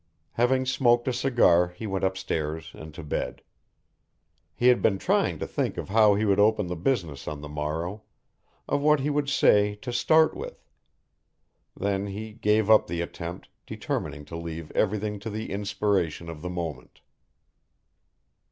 Having smoked a cigar he went upstairs and to bed. He had been trying to think of how he would open the business on the morrow, of what he would say to start with then he gave up the attempt, determining to leave everything to the inspiration of the moment.